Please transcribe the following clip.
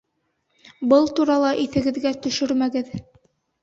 Был турала иҫегеҙгә төшөрмәгеҙ!